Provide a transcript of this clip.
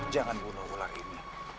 jangan bunuh ular ini